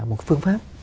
một phương pháp